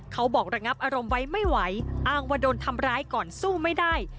ระงับอารมณ์ไว้ไม่ไหวอ้างว่าโดนทำร้ายก่อนสู้ไม่ได้